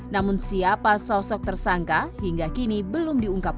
namun siapa sosok tersangka hingga kini belum diungkap oleh